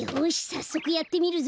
さっそくやってみるぞ。